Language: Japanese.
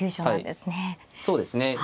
はいそうですね。